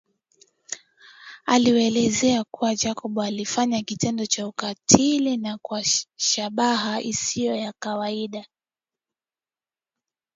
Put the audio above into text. Aliwaeleza kuwa Jacob alifanya kitendo cha kikatili na kwa shabaha isiyo ya kawaida